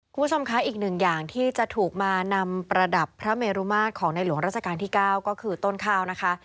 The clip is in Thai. คุณผู้ชมคะอีกหนึ่งอย่างที่จะถูกมานำประดับพระเมรุมาตรของในหลวงราชการที่๙ก็คือต้นข้าวนะคะ